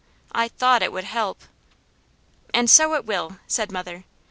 I THOUGHT it would help " "And so it will," said mother.